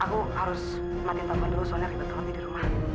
aku harus matiin telepon dulu soalnya ribet kalau tidur rumah